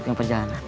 bawa dia ke pen